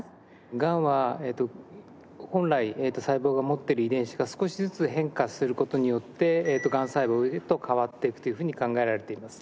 がんは本来細胞が持っている遺伝子が少しずつ変化する事によってがん細胞へと変わっていくというふうに考えられています。